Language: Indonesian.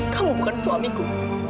kamu bukan suamiku